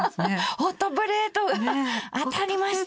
「ホットプレート当たりました！」。